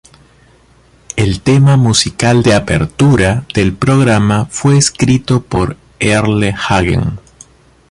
El tema musical de apertura del programa fue escrito por Earle Hagen.